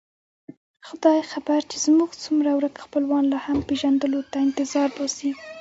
خدای خبر چې زموږ څومره ورک خپلوان لا هم پېژندلو ته انتظار باسي.